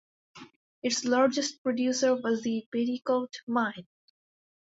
Its largest producer was the Petticoat Mine.